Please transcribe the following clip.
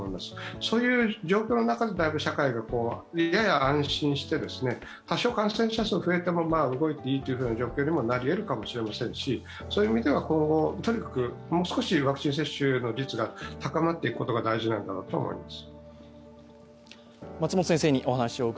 そういう状況の中で社会が、やや安心して、多少感染者数増えていても、動いていいというふうになるかもしれませんし今後、とにかくもう少しワクチン接種の率が高まっていくことが大事なったろうと思います。